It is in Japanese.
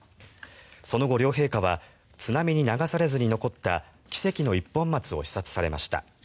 その後、両陛下は津波に流されずに残った奇跡の一本松を視察されました。